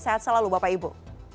sehat selalu bapak ibu